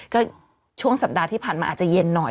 ก็ช่วงสัปดาห์ที่ผ่านมาอาจจะเย็นหน่อย